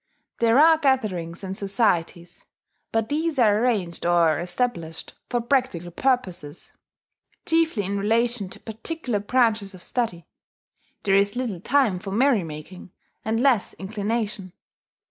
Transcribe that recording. There are gatherings and societies; but these are arranged or established for practical purposes chiefly in relation to particular branches of study; there is little time for merry making, and less inclination.